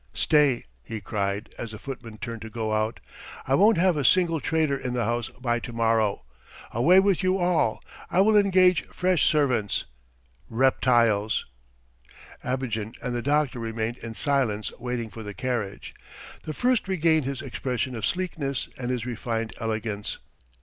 Stay," he cried as the footman turned to go out. "I won't have a single traitor in the house by to morrow! Away with you all! I will engage fresh servants! Reptiles!" Abogin and the doctor remained in silence waiting for the carriage. The first regained his expression of sleekness and his refined elegance.